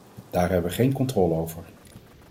Daar hebben we geen controle over.